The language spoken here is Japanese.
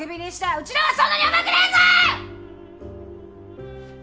うちらはそんなに甘くねぇぞ！